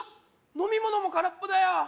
飲み物も空っぽだよ